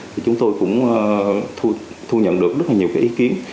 thì chúng tôi cũng thu nhận được rất là nhiều cái ý kiến